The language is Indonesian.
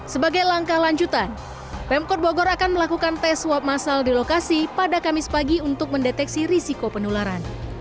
sebagai langkah lanjutan pemkot bogor akan melakukan tes swab masal di lokasi pada kamis pagi untuk mendeteksi risiko penularan